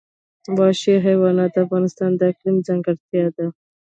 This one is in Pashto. وحشي حیوانات د افغانستان د اقلیم ځانګړتیا ده.